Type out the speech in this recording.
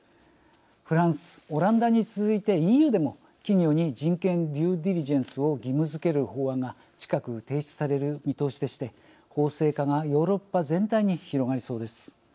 フランスオランダに続いてＥＵでも企業に人権デュー・ディリジェンスを義務づける法案が近く提出される見通しでして法制化がヨーロッパ全体に広がりそうです。